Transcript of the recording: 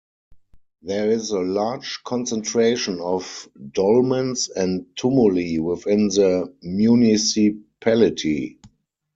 There is a large concentration of dolmens and tumuli within the municipality.